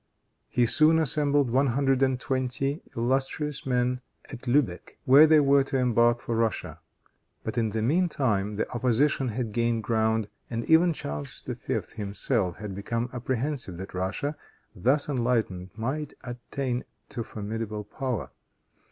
He soon assembled one hundred and twenty illustrious men at Lubeck, where they were to embark for Russia. But, in the mean time, the opposition had gained ground, and even Charles V. himself had become apprehensive that Russia, thus enlightened, might attain to formidable power.